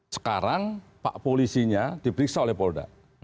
sekarang pak polisinya diperiksa oleh polda